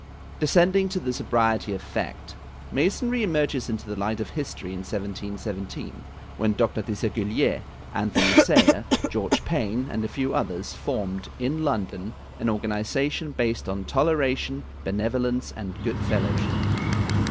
^ Descending to the sobriety of fact. Masonry emerges into the light of history in 1717, when Dr. Desaguliers, Anthony Sayer, George Payne and a few others formed, in London, an organiza tion based on toleration, benevolence and good fellowship.